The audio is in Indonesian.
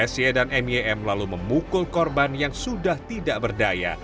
sy dan mym lalu memukul korban yang sudah tidak berdaya